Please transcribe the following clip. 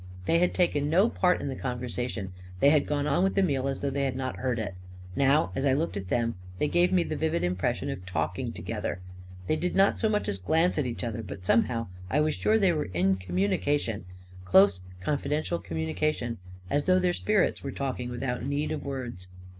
They had taken no part in the conversation ; they had gone on with the meal as though they had not heard it. Now, as I looked at them, they gave me the vivid impression of talking together. They did not so much as glance at each other, but somehow I was sure they were in communication — close, confi dential communication — as though their spirits were talking, without need of words